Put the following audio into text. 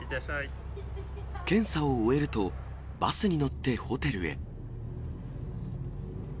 検査を終えると、バスに乗ってホテルへ。